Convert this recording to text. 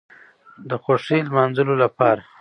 د خوښۍ نماځلو لپاره